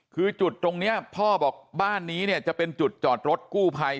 คือจุดตรงนี้พ่อบอกบ้านนี้เนี่ยจะเป็นจุดจอดรถกู้ภัย